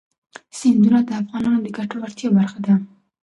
سیندونه د افغانانو د ګټورتیا برخه ده.